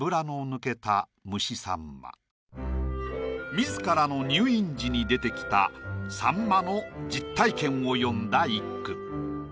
自らの入院時に出てきた秋刀魚の実体験を詠んだ一句。